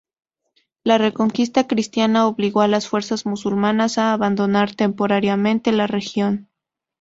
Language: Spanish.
La Reconquista cristiana obligó a las fuerzas musulmanas a abandonar temporariamente la región.